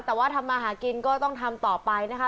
แต่ว่าทำมาหากินก็ต้องทำต่อไปนะคะ